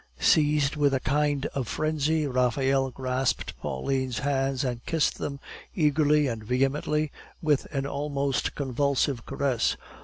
Seized with a kind of frenzy, Raphael grasped Pauline's hands and kissed them eagerly and vehemently, with an almost convulsive caress.